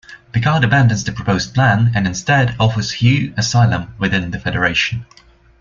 Picard abandons the proposed plan and instead offers Hugh asylum within the Federation.